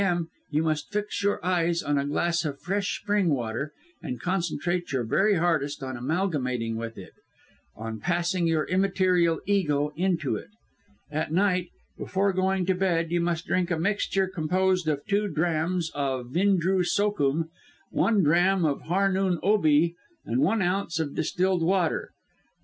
m. you must fix your eyes on a glass of fresh spring water, and concentrate your very hardest on amalgamating with it, on passing your immaterial ego into it. At night, before going to bed, you must drink a mixture composed of two drachms of Vindroo Sookum, one drachm of Harnoon Oobey, and one ounce of distilled water.